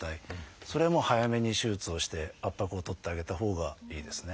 それはもう早めに手術をして圧迫を取ってあげたほうがいいですね。